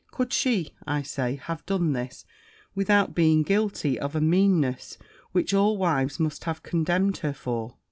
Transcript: Could she, I say, have done this, without being guilty of a meanness, which all wives must have condemned her for?